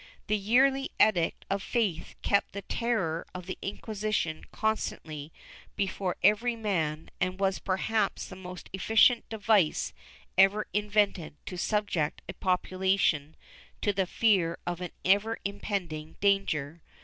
The yearly Edict of Faith kept the terror of the Inquisition constantly before every man and was perhaps the most efficient device ever invented to subject a population to the fear of an ever impending danger.